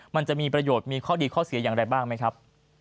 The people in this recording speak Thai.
มันจะมีประโยชน์มีข้อดีข้อเสียอย่างไรบ้างไหมครับ